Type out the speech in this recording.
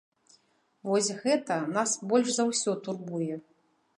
Вось гэта нас больш за ўсё турбуе.